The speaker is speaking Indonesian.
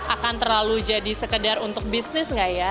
akan terlalu jadi sekedar untuk bisnis gak ya